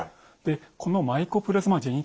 このマイコプラズマ・ジェニ